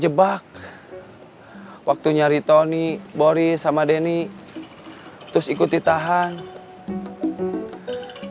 e sampe ngeri di rela pusat kapalvi